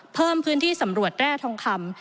เพิ่มพื้นที่สำรวจแร่ทองคำ